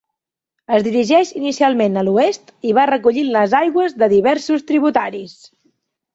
Es dirigeix inicialment a l'oest i va recollint les aigües de diversos tributaris.